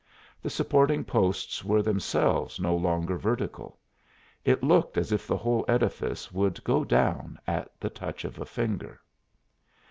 The supporting posts were themselves no longer vertical. It looked as if the whole edifice would go down at the touch of a finger.